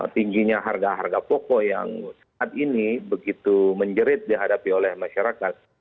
tingginya harga harga pokok yang saat ini begitu menjerit dihadapi oleh masyarakat